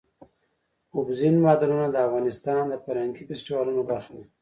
اوبزین معدنونه د افغانستان د فرهنګي فستیوالونو برخه ده.